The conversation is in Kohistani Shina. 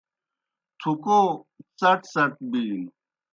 تُکَھو څٹ څٹ بِینوْ۔